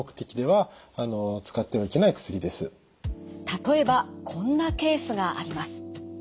例えばこんなケースがあります。